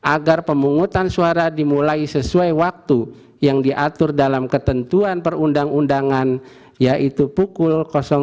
agar pemungutan suara dimulai sesuai waktu yang diatur dalam ketentuan perundang undangan yaitu pukul